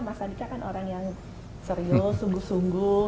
mas adika kan orang yang serius sungguh sungguh